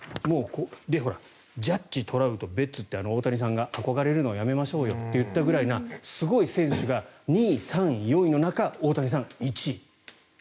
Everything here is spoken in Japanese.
ジャッジ、トラウト、ベッツって大谷さんが憧れるのをやめましょうと言ったぐらいなすごい選手が２位、３位、４位の中大谷さん、１位。